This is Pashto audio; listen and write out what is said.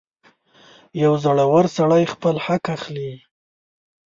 • یو زړور سړی خپل حق اخلي.